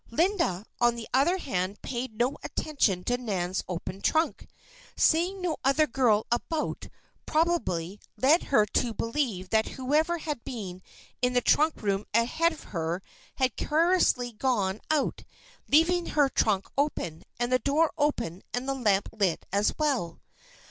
Linda, on the other hand, paid no attention to Nan's open trunk. Seeing no other girl about, probably led her to believe that whoever had been in the trunk room ahead of her had carelessly gone out, leaving her trunk open, and the door open and the lamp lit, as well.